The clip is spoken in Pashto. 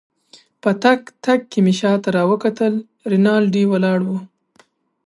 په تګ تګ کې مې شاته راوکتل، رینالډي ولاړ وو.